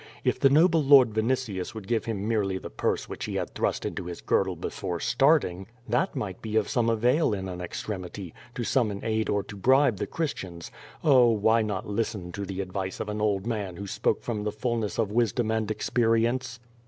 If the noble lord Vinitius would give him merely the purse which he had thrust into his girdle before starting, that might be of some avail in an extremity, to summon aid or to bribe the Christians. Oh! why not listen to the advice of an old man who spoke from the fullness of wisdom and experience?